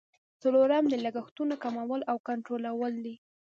څلورم د لګښتونو کمول او کنټرولول دي.